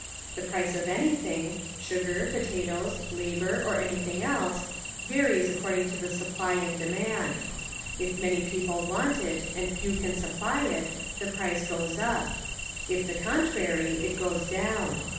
The price of anything, — sugar, potatoes, labour, or anything else, — varies according to the supply and demand: if many people want it and few can supply it the price goes up : if the contrary it goes down.